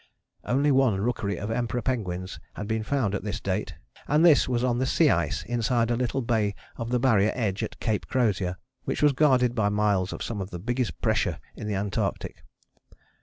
Only one rookery of Emperor penguins had been found at this date, and this was on the sea ice inside a little bay of the Barrier edge at Cape Crozier, which was guarded by miles of some of the biggest pressure in the Antarctic.